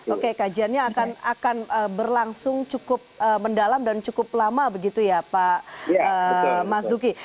oke kajiannya akan berlangsung cukup mendalam dan cukup lama begitu ya pak mas duki